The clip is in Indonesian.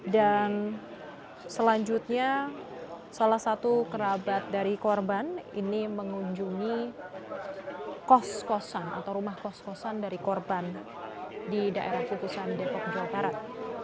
dan selanjutnya salah satu kerabat dari korban ini mengunjungi kos kosan atau rumah kos kosan dari korban di daerah kutusan depok jawa perak